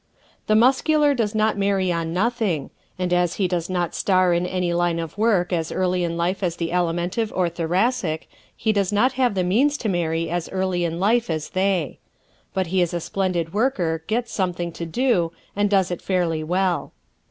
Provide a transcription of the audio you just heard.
The Muscular does not marry on nothing, and as he does not star in any line of work as early in life as the Alimentive or Thoracic he does not have the means to marry as early in life as they. But he is a splendid worker, gets something to do and does it fairly well.